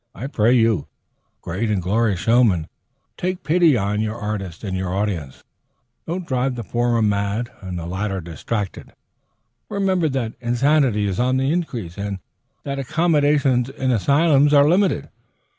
I pray you, great and glorious showman, take pity on your artists and your audiences. Don't drive the former mad and the latter distracted. Remember that insanity is on the increase, and that accommodations in asylums are limited.